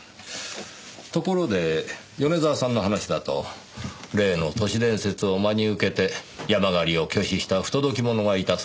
ところで米沢さんの話だと例の都市伝説を真に受けて山狩りを拒否した不届き者がいたそうですねぇ。